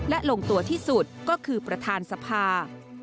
และลงตัวที่สุดก็คือประธานสภา